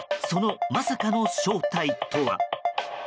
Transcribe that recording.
そのまさかの正体とは。